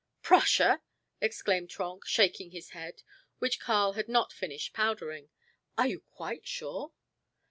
"Prussia!" exclaimed Trenck, shaking his head, which Karl had not finished powdering. "Are you quite sure?"